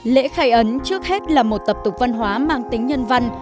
lễ khai ấn trước hết là một tập tục văn hóa mang tính nhân văn